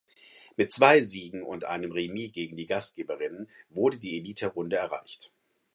Mit zwei Siegen und einem Remis gegen die Gastgeberinnen wurde die Eliterunde erreicht.